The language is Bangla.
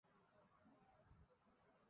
এরপর আকিব উল হকের স্ত্রী আজ লিখিত অভিযোগ করলেন।